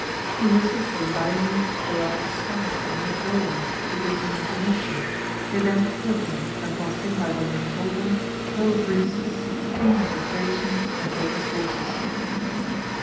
Ulysses and Diomed go out as spies, and meet Dolon, who gives them information: they then kill him, and profiting by what he had told them, kill Rhesus king of the Thracians and take his horses.